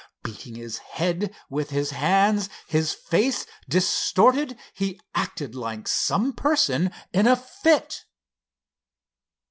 Beating his head with his hands, his face distorted, he acted like some person in a fit.